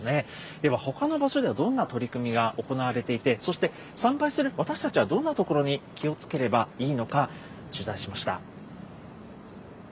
ではほかの場所ではどんな取り組みが行われていて、そして、参拝する私たちはどんなところに気をつければいいのか、取材しました。